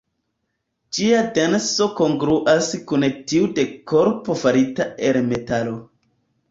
Ĝia denso kongruas kun tiu de korpo farita el metalo.